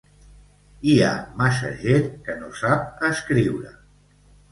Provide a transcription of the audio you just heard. Hi ha massa gent que no sap escriure.